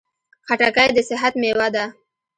خټکی د صحت مېوه ده.